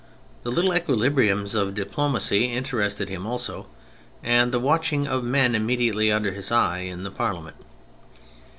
The little equili briums of diplomacy interested him also, and the watching of men immediately under his eye in the Parliament.